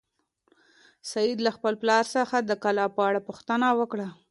سعید له خپل پلار څخه د کلا په اړه پوښتنه وکړه.